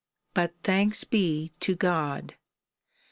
But thanks he to God.